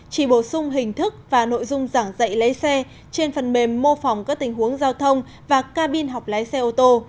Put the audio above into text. chỉ bổ sung hình thức và nội dung giảng dạy lái xe trên phần mềm mô phỏng các tình huống giao thông và ca bin học lái xe ô tô